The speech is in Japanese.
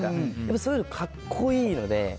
そういうの格好いいので。